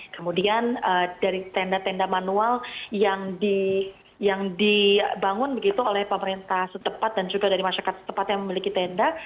kemudian dari tenda tenda manual yang dibangun begitu oleh pemerintah setempat dan juga dari masyarakat setempat yang memiliki tenda